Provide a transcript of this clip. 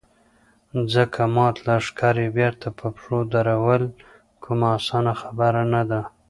ځکه مات لښکر يې بېرته په پښو درول کومه اسانه خبره نه ده.